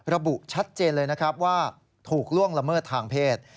ระบุชัดเจนเลยนะครับว่าถูกล่วงละเมิดทางเพศ